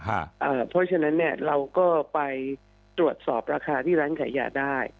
อ่าอ่าเอ่อเพราะฉะนั้นเนี่ยเราก็ไปตรวจสอบราคาที่ร้านขายยาได้